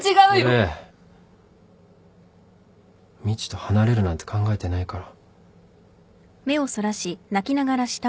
俺みちと離れるなんて考えてないから。